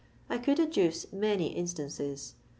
I could adduce many instances.